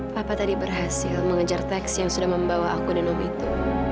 papa tadi berhasil mengejar taksi yang sudah membawa aku dan om itu